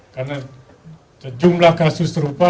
karena jumlah kasus terupa